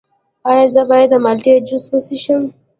ایا زه باید د مالټې جوس وڅښم؟